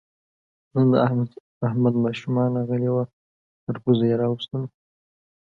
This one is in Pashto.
نن د احمد ماشومان راغلي وو، تر پوزې یې راوستلو.